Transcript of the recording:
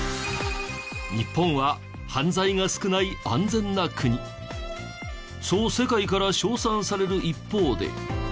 日本は犯罪が少ない安全な国そう世界から称賛される一方で。